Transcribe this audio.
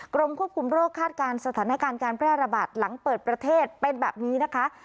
กรมควบคุมโรคคาดการณ์สถานการณ์การแพร่ระบาดหลังเปิดประเทศเป็นแบบนี้นะคะ